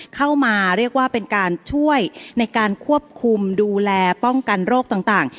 เข้ามาเรียกว่าเป็นการช่วยในการควบคุมดูแลป้องกันโรคต่าง